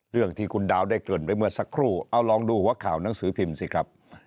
เรื่องที่คุณดาวได้เกริ่นไปเมื่อสักครู่เอาลองดูหัวข่าวหนังสือพิมพ์สิครับ